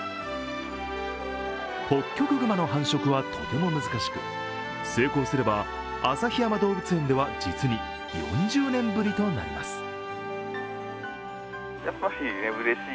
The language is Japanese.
ホッキョクグマの繁殖はとても難しく、成功すれば、旭山動物園では実に４０年ぶりとなります。